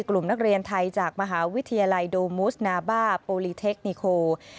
กลุ่มนักเรียนไทยจากมหาวิทยาลัยโดมุสนาบ้าโปรลีเทคนิโค